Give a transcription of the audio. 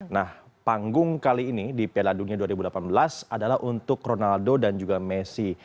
nah panggung kali ini di piala dunia dua ribu delapan belas adalah untuk ronaldo dan juga messi